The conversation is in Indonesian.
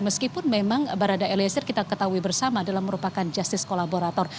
meskipun memang barada eliezer kita ketahui bersama adalah merupakan justice kolaborator